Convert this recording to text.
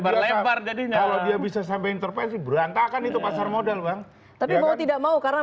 berlebar jadinya kalau dia bisa sampai intervensi berantakan itu pasar modal bang tapi mau tidak mau karena